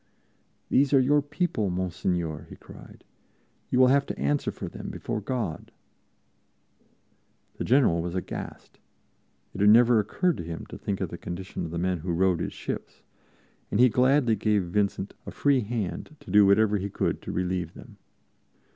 "These are your people, Monseigneur!" he cried; "you will have to answer for them before God." The General was aghast; it had never occurred to him to think of the condition of the men who rowed his ships, and he gladly gave Vincent a free hand to do whatever he could to relieve them.